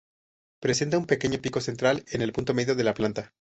Presenta un pequeño pico central en el punto medio de la planta.